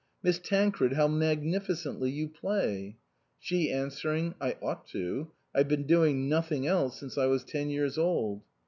" Miss Tancred, how magnificently you play !" She answering, "I ought to. I've been doing nothing else since I was ten years old."